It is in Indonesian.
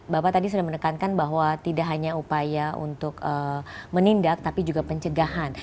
bapak tadi sudah menekankan bahwa tidak hanya upaya untuk menindak tapi juga pencegahan